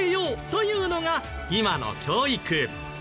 というのが今の教育。